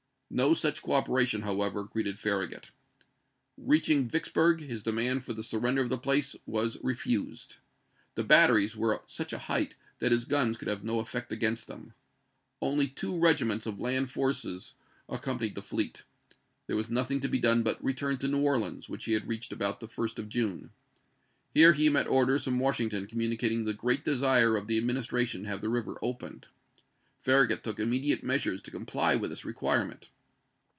No such cooperation, however, greeted Farragut. Reaching Vicksburg, his demand for the surrender of the place was refused. The batteries were at such a height that his guns could have no effect against them. Only two regiments of land forces 348 ABRAHAM LINCOLN CHAi .xix. accompanied the fleet. There was nothing to be done but to return to New Orleans, which he reached 1862. about the 1st of June. Here he met orders from Washington communicating the great desire of the Administration to have the river opened. Farra gut took immediate measures to comply with this requirement.